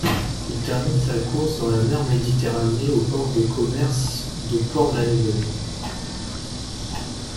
Il termine sa course dans la mer Méditerranée au port de commerce de Port-la-Nouvelle.